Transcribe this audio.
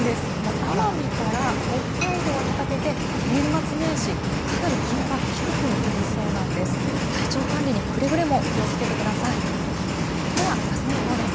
奄美から北海道にかけて、年末年始、かなり気温が低くなりそうなんです。